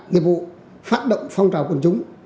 nghiệp vụ phát động phong trào quần chúng